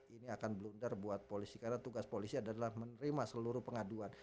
ini akan blunder buat polisi karena tugas polisi adalah menerima seluruh pengaduan